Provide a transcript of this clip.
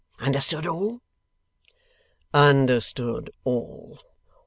Understood all?' Understood all.